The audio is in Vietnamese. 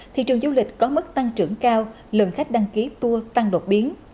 thị trường du lịch có mức tăng trưởng cao lượng khách đăng ký tour tăng đột biến